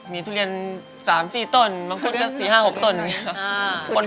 มีทุเรียน๓๔ต้นมันคุกก็๔๕๖ต้น